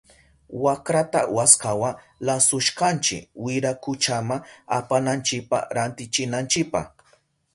Wakrata waskawa lasushkanchi wirakuchama apananchipa rantichinanchipa.